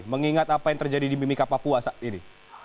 mengingat apa yang terjadi di mimika papua saat ini